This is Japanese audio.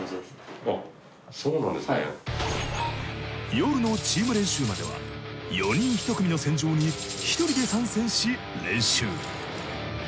夜のチーム練習までは４人ひと組の戦場に１人で参戦し練習。